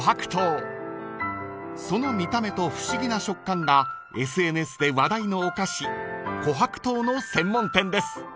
［その見た目と不思議な食感がＳＮＳで話題のお菓子琥珀糖の専門店です］